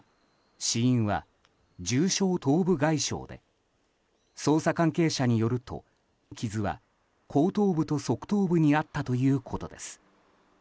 死因は重症頭部外傷で捜査関係者によると、傷は後頭部と側頭部にあったということです。